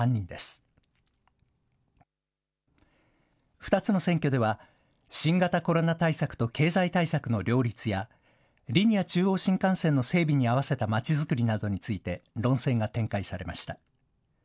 ２つの選挙では、新型コロナ対策と経済対策の両立や、リニア中央新幹線の整備に合わせたまちづくりなどについて論戦が展開されました。